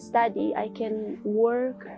saya bisa bekerja